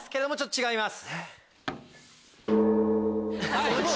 違います。